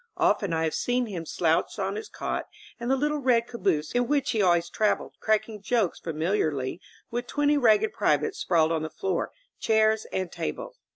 Often I have seen him slouched on his cot in the little red caboose in which he always traveled, cracking jokes familiarly with twenty ragged privates sprawled on the floor, cjiairs and tables.